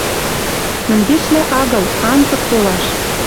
Мӹнгешлӓ агыл, анзык толаш —